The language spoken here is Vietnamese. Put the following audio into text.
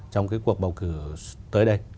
trong cái cuộc bầu cử tới đây